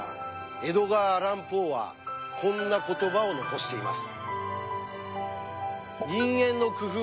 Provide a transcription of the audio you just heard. エドガー・アラン・ポーはこんな言葉を残しています。